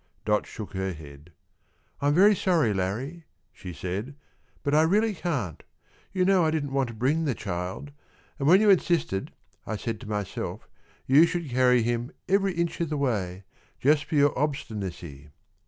Dot shook her head. "I'm very sorry, Larrie," she said, "but I really can't. You know I didn't want to bring the child, and when you insisted, I said to myself, you should carry him every inch of the way, just for your obstinacy."